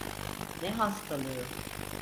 Ne hastalığı?